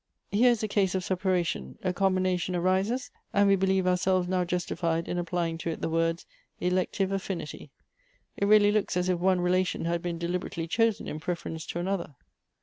Here is a case of separation ; a combination arises, and we believe ourselves now justified in applying to it the words ' Elective Affinity;' it really looks as if one relation had been deliberately chosen in preference to another."